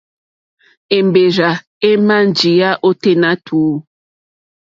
Èmbèrzà èmà njíyá ôténá tùú.